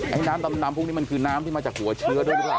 ไอ้น้ำดำพวกนี้มันคือน้ำที่มาจากหัวเชื้อเรื่องอะไร